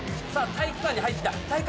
体育館に入った。